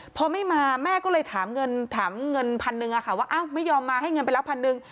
พอไม่มาแม่ก็เลยถามเงินถามเงินพันหนึ่งว่าอ้าวไม่ยอมมาให้เงินไปแล้วพันหนึ่ง